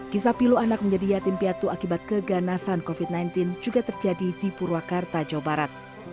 kisah pilu anak menjadi yatim piatu akibat keganasan covid sembilan belas juga terjadi di purwakarta jawa barat